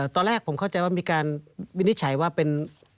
ตอนแรกผมเข้าใจว่ามีการวินิจฉัยว่าเป็น